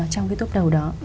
trong cái tốt đầu đó